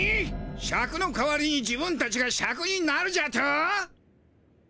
シャクの代わりに自分たちがシャクになるじゃと？